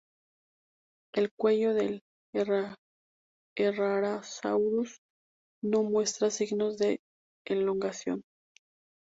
El cuello del "Herrerasaurus" no muestra signos de elongación.